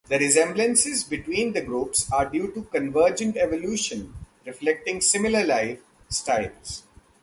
The resemblances between the groups are due to convergent evolution reflecting similar life styles.